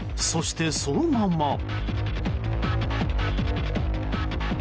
そして、そのまま。